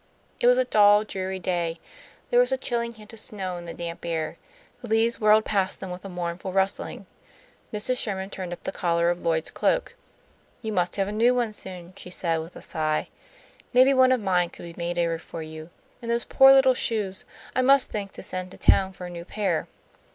It was a dull, dreary day. There was a chilling hint of snow in the damp air. The leaves whirled past them with a mournful rustling. Mrs. Sherman turned up the collar of Lloyd's cloak. "You must have a new one soon," she said, with a sigh. "Maybe one of mine could be made over for you. And those poor little shoes! I must think to send to town for a new pair."